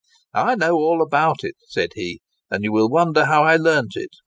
"I know all about it," said he; "and you will wonder how I learnt it.